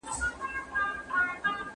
درمل بايد په وخت وخوړل شي.